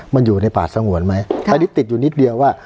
มันอยู่ในป่าสงวนไหมอันนี้ติดอยู่นิดเดียวว่า